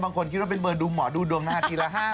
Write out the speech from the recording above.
๑๕๗๗บางคนคิดว่าเป็นเบอร์ดูหมอดูดวง๕นาทีละ